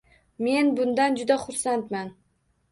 Men bundan juda xursandman.